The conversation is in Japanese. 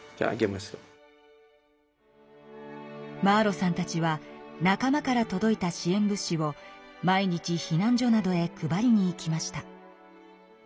マーロさんたちは仲間からとどいた支えん物資を毎日避難所などへ配りに行きました。